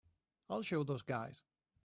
I'll show those guys.